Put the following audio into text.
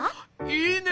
いいね。